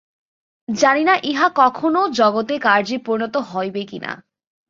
জানি না ইহা কখনও জগতে কার্যে পরিণত হইবে কিনা।